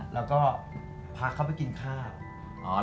แล้วก็พาเขาไปกินข้าว